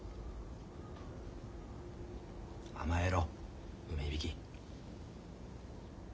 甘えろ梅響。